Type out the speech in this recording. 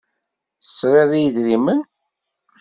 Tesriḍ i yedrimen.